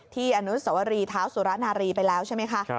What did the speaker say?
อนุสวรีเท้าสุรนารีไปแล้วใช่ไหมคะ